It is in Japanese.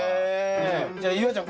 じゃあ夕空ちゃん